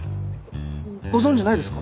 ご存じないですか？